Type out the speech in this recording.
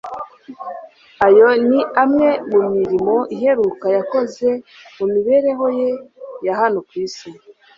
ayo ni- amwe mu mirimo iheruka yakoze mu mibereho ye ya hano ku isi.